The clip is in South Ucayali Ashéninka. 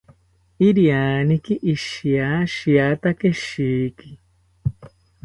Irianeriki ishiashiata keshiki